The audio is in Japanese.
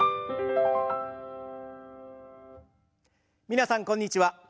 皆さんこんにちは。